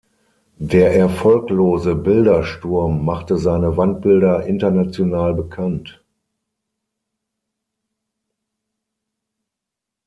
Der erfolglose "Bildersturm" machte seine Wandbilder international bekannt.